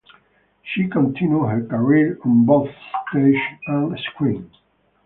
She continued her career on both stage and screen.